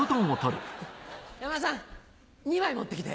山田さん２枚持ってきて。